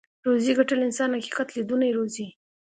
روزي ګټل انسان حقيقت ليدونی روزي.